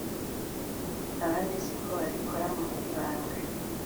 abandi se ko babikora mu ibanga